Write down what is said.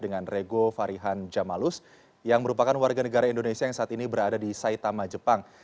dengan rego farihan jamalus yang merupakan warga negara indonesia yang saat ini berada di saitama jepang